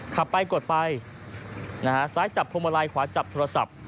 ขับไปกดไปซ้ายจับพวงมาลัยขวาจับโทรศัพท์